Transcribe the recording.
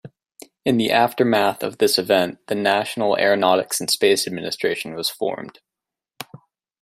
In the aftermath of this event, the National Aeronautics and Space Administration was formed.